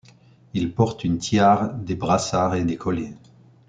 Il porte une tiare, des brassards et des colliers.